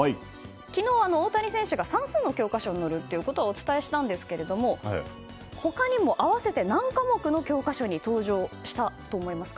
昨日、大谷選手が算数の教科書に載るということはお伝えしたんですが他にも合わせて何科目の教科書に登場したと思いますか？